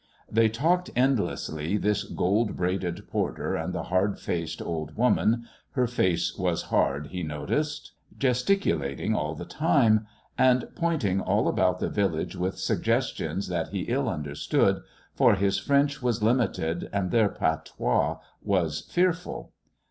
They talked endlessly, this gold braided porter and the hard faced old woman her face was hard, he noticed gesticulating all the time, and pointing all about the village with suggestions that he ill understood, for his French was limited and their patois was fearful.